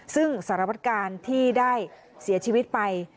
ซึ่งสารวัตการณ์ที่ได้เสียชีวิตไป